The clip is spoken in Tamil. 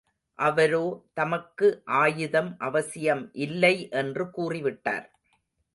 அவரோ தமக்கு ஆயுதம் அவசியம் இல்லை என்று கூறி விட்டார்.